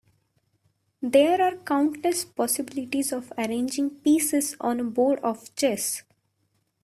There are countless possibilities of arranging pieces on a board of chess.